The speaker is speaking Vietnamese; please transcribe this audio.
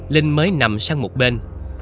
linh mới nằm sang một bên